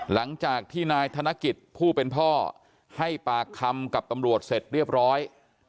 หลังจากที่นายธนกิจผู้เป็นพ่อให้ปากคำกับตำรวจเสร็จเรียบร้อย